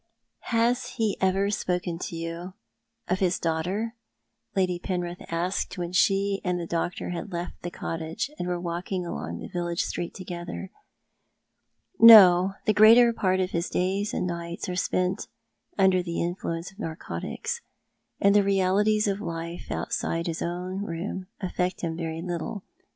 "Has he ever spoken to you of his daughter? " Lady Penrith asked, when she and the doctor had left the cottage, and were walking along the village street together. "No. The greater part of his days and nights are spent under the influence of narcotics, and the realities of life outside his own room affect him very little.